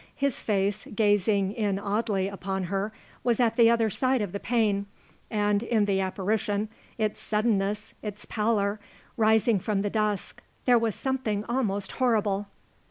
His face, gazing in oddly upon her, was at the other side of the pane, and, in the apparition, its suddenness, its pallor, rising from the dusk, there was something almost horrible.